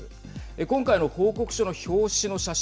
今回の報告書の表紙の写真